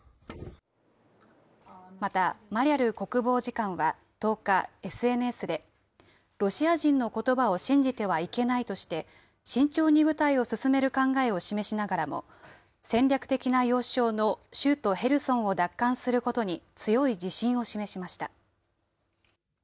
また、マリャル国防次官は１０日、ＳＮＳで、ロシア人のことばを信じてはいけないとして、慎重に部隊を進める考えを示しながらも、戦略的な要衝の州都ヘルソンを奪還することに強い自信を示しました。